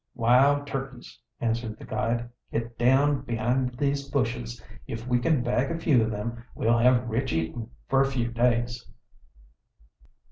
"Wild turkeys!" answered the guide. "Git down behind these bushes. If we can bag a few of them, we'll have rich eatin' for a few days!"